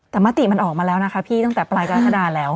แต่มติมันออกมาแล้วนะคะพี่ตั้งแต่ปลายกรกฎาแล้ว